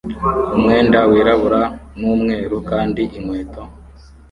umwenda wirabura n'umweru kandi inkweto